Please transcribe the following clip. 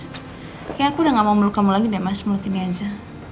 kayaknya aku udah gak mau meluk kamu lagi deh mas multini aja